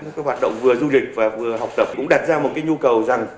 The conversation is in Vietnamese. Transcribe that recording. các hoạt động vừa du lịch và vừa học tập cũng đặt ra một cái nhu cầu rằng